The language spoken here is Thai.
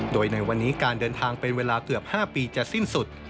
โดยในวันนี้การเดินทางเป็นเวลาเกือบ๕ปีจะสิ้นสุด